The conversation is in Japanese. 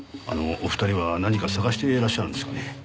あのお二人は何か探してらっしゃるんですかね？